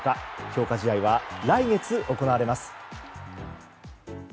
強化試合は来月行われます。